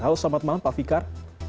halo selamat malam pak fikar